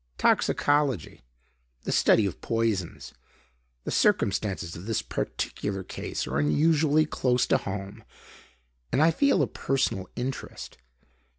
"Toxicology; the study of poisons. The circumstances of this particular case are unusually close to home and I feel a personal interest."